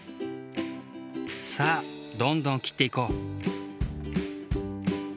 さあどんどん切っていこう。